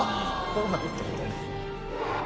こうなるってことやね。